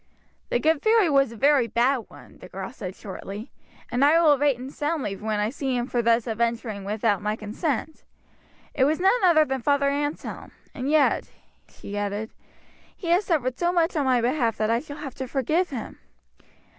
"The good fairy was a very bad one," the girl said shortly, "and I will rate him soundly when I see him for thus adventuring without my consent. It is none other than Father Anselm; and yet," she added, "he has suffered so much on my behalf that I shall have to forgive him.